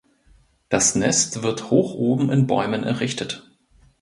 Das Nest wird hoch oben in Bäumen errichtet.